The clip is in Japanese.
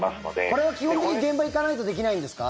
これは基本的に現場に行かないとできないんですか？